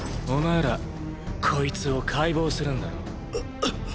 お前らこいつを解剖するんだろ？